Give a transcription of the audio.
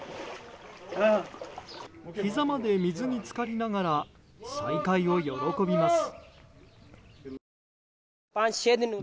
ひざまで水に浸かりながら再会を喜びます。